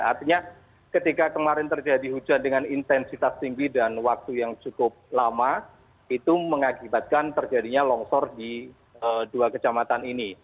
artinya ketika kemarin terjadi hujan dengan intensitas tinggi dan waktu yang cukup lama itu mengakibatkan terjadinya longsor di dua kecamatan ini